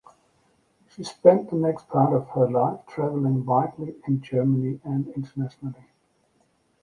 She spent the next part of her life traveling widely in Germany and internationally.